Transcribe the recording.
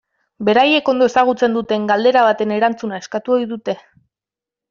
Beraiek ondo ezagutzen duten galdera baten erantzuna eskatu ohi dute.